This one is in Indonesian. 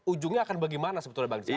ujungnya akan bagaimana sebetulnya bang jaya